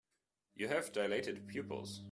You have dilated pupils.